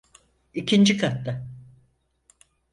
İkinci katta.